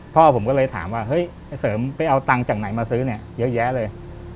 พ่อผมก็เลยถามว่าเฮ้ยไอ้เสริมไปเอาตังค์จากไหนมาซื้อเนี่ยเยอะแยะเลย